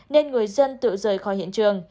nên người dân tự rời khỏi hiện trường